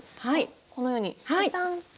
このようにペタン。